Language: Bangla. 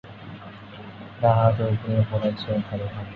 ডানহাতি উদ্বোধনী বোলার ছিলেন ফারুক হামিদ।